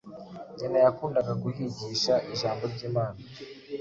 nyina yakundaga kuhigisha ijambo ry’Imana.